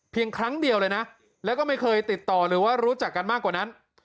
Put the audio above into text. ครั้งเดียวเลยนะแล้วก็ไม่เคยติดต่อหรือว่ารู้จักกันมากกว่านั้น